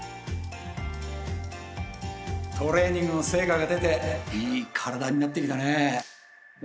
トレーニングの成果が出ていい体になってきたねえ。